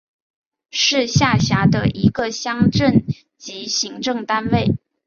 是下辖的一个乡镇级行政单位。